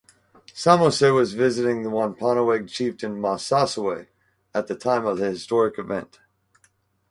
Samoset was visiting the Wampanoag chieftain Massasoit at the time of the historic event.